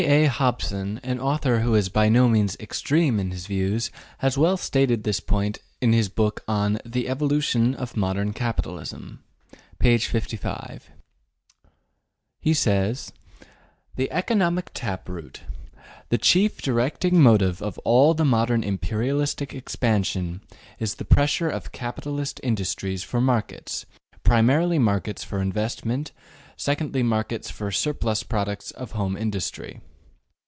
A. Hobson, an author who is by no means extreme in his views, has well stated this point in his book on ``The Evolution of Modern Capitalism.'' He says: Walter Scott Publishing Company, 1906, p. 262. The economic tap root, the chief directing motive of all the modern imperialistic expansion, is the pressure of capitalist industries for markets, primarily markets for investment, secondarily markets for surplus products of home industry.